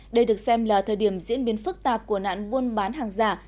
đây được xem là thời điểm diễn biến phức tạp của nạn buôn bán hàng giả